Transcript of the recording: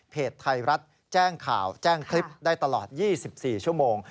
ไทยรัฐแจ้งข่าวแจ้งคลิปได้ตลอด๒๔ชั่วโมง